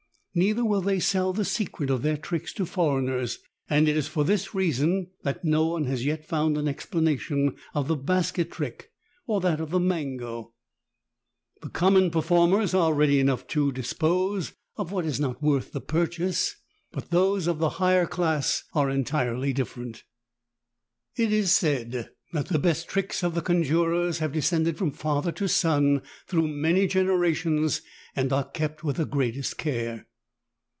Neither will they sell the secret of their tricks to foreigners, and it is for this reason that no one has yet found an explanation of the basket trick or of that of the mango. The common per formers are ready enough to dispose of what is 102 THE TALKING HANDKERCHIEF. not worth the purchase, but those of the higher class are entirely different. It is said that the best tricks of the conjurers have descended from father to son through many generations and are kept with the greatest care.